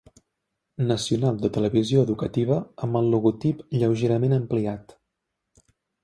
Nacional de televisió educativa amb el logotip lleugerament ampliat.